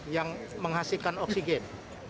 yang menghasilkan oksigen